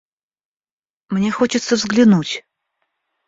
Мне хочется взглянуть.